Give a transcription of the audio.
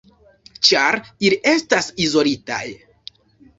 Ĉar ili estas izolitaj.